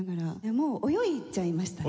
もう泳いじゃいましたね。